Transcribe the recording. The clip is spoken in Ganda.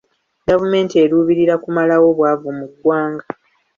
Gavumenti eruubirira kumalawo bwavu mu ggwanga.